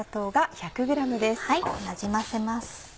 なじませます。